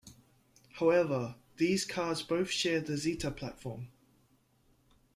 However, these cars both share the Zeta platform.